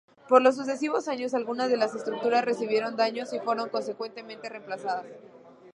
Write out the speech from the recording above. Por los sucesivos años algunas de las estructuras recibieron daños y fueron consecuentemente reemplazadas.